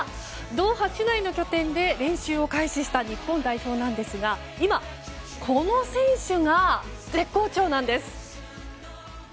ドーハ市内の拠点で練習を開始した日本ですが今、この選手が絶好調なんです。